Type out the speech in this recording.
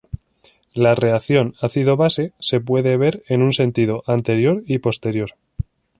La reacción ácido-base se puede ver en un sentido anterior y posterior.